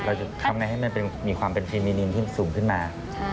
เราจะทำไงให้มันมีความเป็นพรีมินินที่สูงขึ้นมา